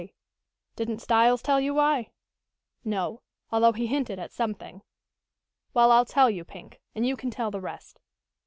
K." "Didn't Styles tell you why?" "No, although he hinted at something." "Well, I'll tell you, Pink, and you can tell the rest.